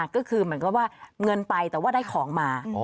ก็คือเหมือนกับว่าเงินไปแต่ว่าได้ของมา